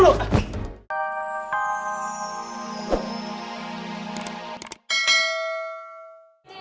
gue bisa mikirkan